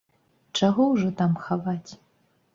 Чаго ўжо там хаваць.